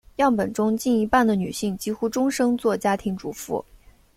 样本中近一半的女性几乎终生做家庭主妇。